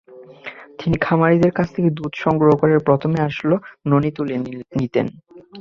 তিনি খামারিদের কাছ থেকে দুধ সংগ্রহ করে প্রথমে আসল ননি তুলে নিতেন।